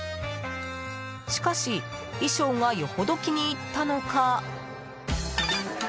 しかし、衣装がよほど気に入ったのか。